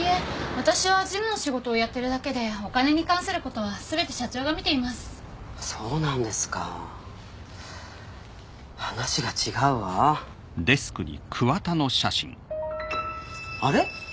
私は事務の仕事をやってるだけでお金に関することはすべて社長が見ていますそうなんですか話が違うわあれ？